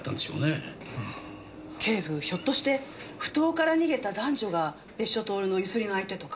警部ひょっとして埠頭から逃げた男女が別所透のゆすりの相手とか。